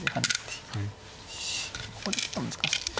ここちょっと難しい。